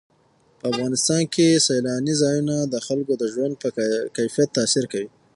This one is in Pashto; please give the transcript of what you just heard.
په افغانستان کې سیلانی ځایونه د خلکو د ژوند په کیفیت تاثیر کوي.